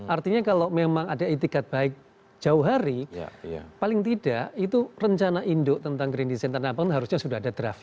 artinya kalau memang ada etikat baik jauh hari paling tidak itu rencana induk tentang green design tanah abang harusnya sudah ada draft